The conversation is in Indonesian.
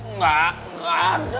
enggak enggak ada